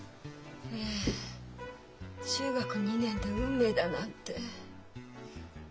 ええ中学２年で「運命」だなんて。